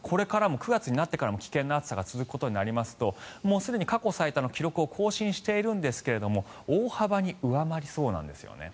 ９月になってからも危険な暑さが続くことになりますともうすでに過去最多の記録を更新しているんですが大幅に上回りそうなんですよね。